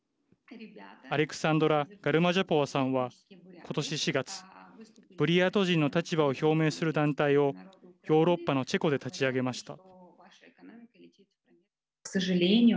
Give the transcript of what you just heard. アレクサンドラ・ガルマジャポワさんはことし４月ブリヤート人の立場を表明する団体をヨーロッパのチェコで立ち上げました。